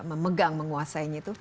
yang memegang menguasainya itu